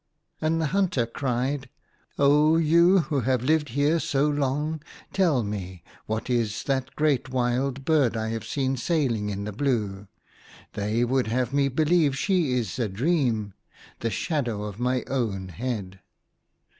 And the hunter cried —" Oh, you who have lived here so long, tell me, what is that great wild bird I have seen sailing in the blue .* They would have me believe she is a dream ; the shadow of my own head."